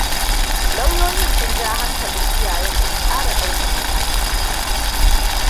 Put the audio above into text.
Lauyoyin sun ja hankali iyayen da su ƙara ɗaukar matakin shari'a.